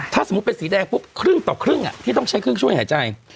ถ้าสมมุติเป็นสีแดงปุ๊บครึ่งต่อครึ่งที่ต้องใช้เครื่องช่วยหายใจ